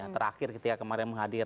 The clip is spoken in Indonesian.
terakhir ketika kemarin menghadir